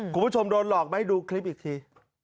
คุณผู้ชมโดนหลอกไหมดูคลิปอีกที